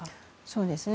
そうですね。